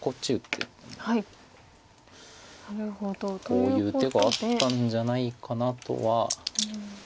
こういう手があったんじゃないかなとは。